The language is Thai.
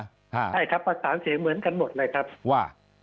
ใช่ครับประสานเสียงเหมือนกันหมดเลยครับว่า